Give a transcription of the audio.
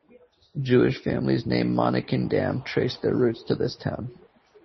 Jewish families named Monnikendam trace their roots to this town.